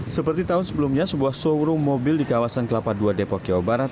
seperti tahun sebelumnya sebuah showroom mobil di kawasan kelapa dua depok jawa barat